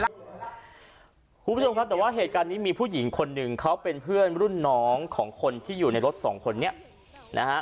คุณผู้ชมครับแต่ว่าเหตุการณ์นี้มีผู้หญิงคนหนึ่งเขาเป็นเพื่อนรุ่นน้องของคนที่อยู่ในรถสองคนนี้นะฮะ